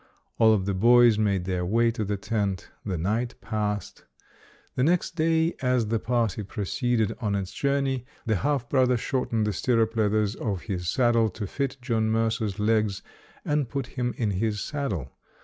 All of the boys made their way to the tent. The night passed. JOHN MERCER LANGSTON [ 271 The next day as the party proceeded on its journey, the half brother shortened the stirrup leathers of his saddle to fit John Mercer's legs, and put him in his saddle.